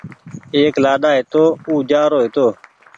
ايڪ لآڏآ هيتو او جآرو هيتو